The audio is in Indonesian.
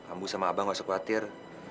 ambu sama abah gak usah khawatir